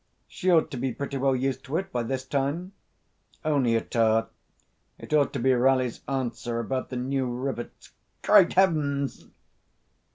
"She ought to be pretty well used to it by this time. Only a tar. It ought to be Ralli's answer about the new rivets. ... Great Heavens!"